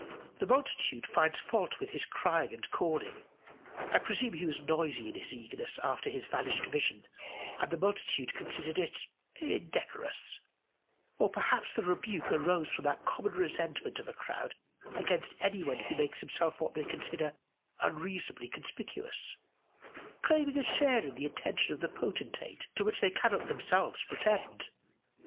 ] The multitude finds fault with his crying and calling. I presume he was noisy in his eagerness after his vanished vision, and the multitude considered it indecorous. Or perhaps the rebuke arose from that common resentment of a crowd against any one who makes himself what they consider unreasonably conspicuous, claiming a share in the attention of the potentate to which they cannot themselves pretend.